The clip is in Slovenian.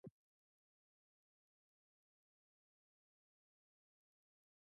Aspergerjev sindrom je oblika avtizma.